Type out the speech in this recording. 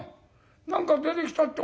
何か出てきたって